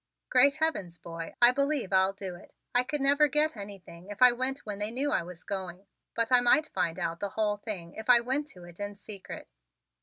"Great Heavens, boy, I believe I'll do it. I could never get anything if I went when they knew I was going, but I might find out the whole thing if I went to it in secret.